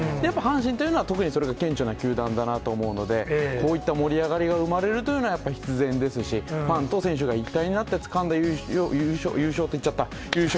やっぱり阪神というのは、特にそれが顕著な球団だなと思うので、こういった盛り上がりが生まれるというのは、やっぱり必然ですし、ファンと選手が一体になってつかんだ優勝、優勝って言っちゃった、優勝。